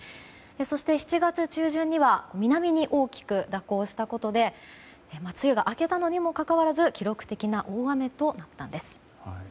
そして７月中旬には南に大きく蛇行したことで梅雨が明けたにもかかわらず記録的な大雨となったんです。